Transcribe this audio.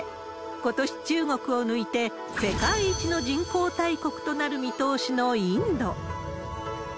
ことし中国を抜いて、世界一の人口大国となる見通しのインド。